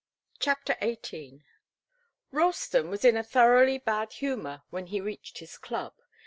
CHAPTER XVIII. Ralston was in a thoroughly bad humour when he reached his club.